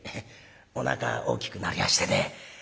おなか大きくなりやしてね。